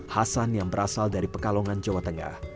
hasan yang berasal dari pekalongan jawa tengah